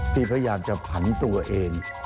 ที่ก็อยากจะผันตัวเอง